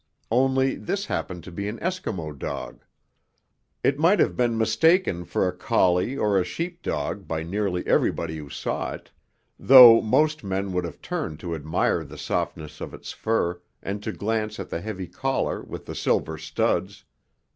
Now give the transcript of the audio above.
Only, this happened to be an Eskimo dog. It might have been mistaken for a collie or a sheepdog by nearly everybody who saw it, though most men would have turned to admire the softness of its fur and to glance at the heavy collar with the silver studs.